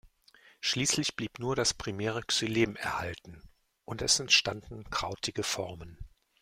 Schließlich blieb nur das primäre Xylem erhalten und es entstanden krautige Formen.